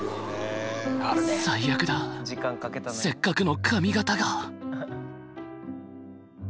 最悪だせっかくの髪形が。